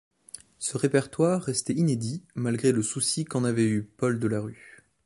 Ce répertoire restait inédit malgré le souci qu’en avait eu Paul Delarue.